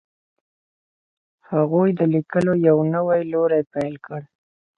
هغوی د لیکلو یو نوی لوری پیل کړ.